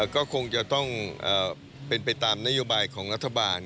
ก็คงจะต้องเป็นไปตามนโยบายของรัฐบาล